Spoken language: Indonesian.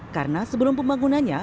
karena sebelum pembangunannya